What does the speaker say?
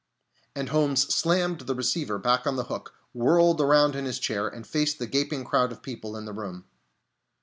And Holmes slammed the receiver back on the hook, whirled around on the chair, and faced the gaping crowd of people in the room.